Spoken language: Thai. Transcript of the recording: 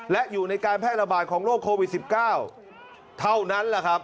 และอยู่ในการแพร่ระบาดของโรคโควิด๑๙เท่านั้นแหละครับ